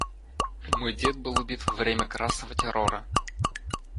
Мой дед был убит во время красного террора.